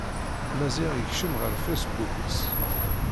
Maziɣ yekcem ɣer fasebbuk-is.